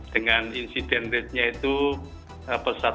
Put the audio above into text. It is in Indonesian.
dengan insiden rate nya itu per satu lima ratus